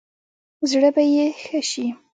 زړه به يې ښه شي.